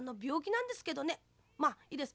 まあいいです。